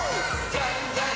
「じゃんじゃん！